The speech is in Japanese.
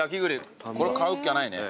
買うっきゃないね。